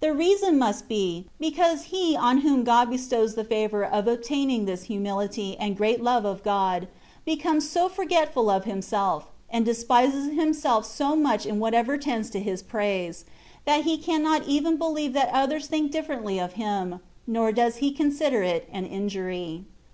The reason must 186 THE WAY OP PERFECTION. be, because lie on whom God bestows the favour of obtaining this humihty and great love of God becomes so forgetful of himself, and despises him self so much in whatever tendis to his praise, that he cannot even believe that others think differ ently of him, nor does he consider it an injury.